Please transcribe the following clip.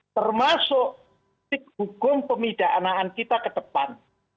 termasuk hukum pemidanaan kita ke depan